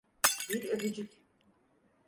Bir öpücük.